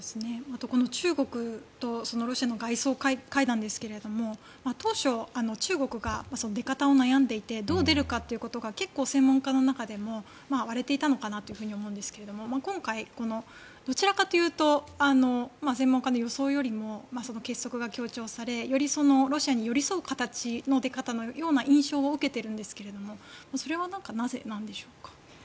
あと、中国とロシアの外相会談ですけれども当初、中国が出方を悩んでいてどう出るかということが結構、専門家の中でも割れていたのかなと思うんですけども今回、どちらかというと専門家の予想よりも結束が強調されよりロシアに寄り添う形の出方のような印象を受けてるんですけどもそれはなぜなんでしょうか？